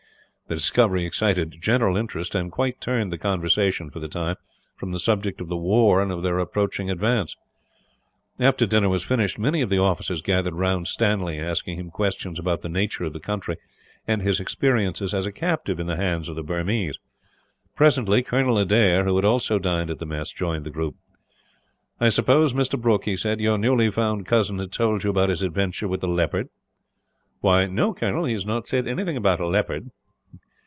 The discovery excited general interest; and quite turned the conversation, for the time, from the subject of the war and of their approaching advance. After dinner was finished, many of the officers gathered round Stanley, asking him questions about the nature of the country, and his experiences as a captive in the hands of the Burmese. Presently Colonel Adair, who had also dined at the mess, joined the group. "I suppose, Mr. Brooke," he said, "your newly found cousin has told you about his adventure with the leopard?" "No, Colonel, he has not said anything about a leopard."